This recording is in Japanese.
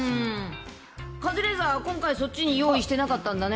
カズレーザーは今回、そっちに用意してなかったんだね。